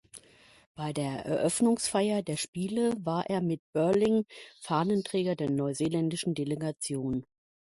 Bei der Eröffnungsfeier der Spiele war er mit Burling Fahnenträger der neuseeländischen Delegation.